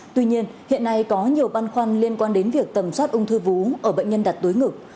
tuy nhiên hiện nay có nhiều băn khoăn liên quan đến việc tầm soát ung thư vú ở bệnh nhân đặt tối ngực